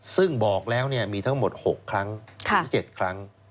ซึ่งบอกแล้วมีทั้งหมด๖ครั้งถึง๗ครั้ง